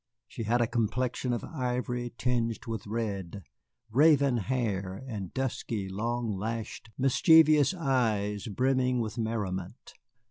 She had a complexion of ivory tinged with red, raven hair, and dusky, long lashed, mischievous eyes brimming with merriment.